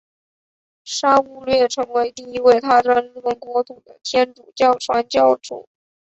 沙勿略成为第一位踏上日本国土的天主教传教士。